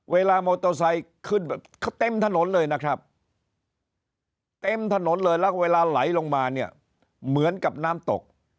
เวลามอเตอร์ไซค์ขึ้นแบบเต็มถนนเลยนะครับเต็มถนนเลยแล้วเวลาไหลลงมาเนี่ยเหมือนกับน้ำตก